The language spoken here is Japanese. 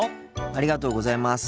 ありがとうございます。